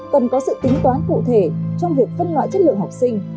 cần có sự tính toán cụ thể trong việc phân loại chất lượng học sinh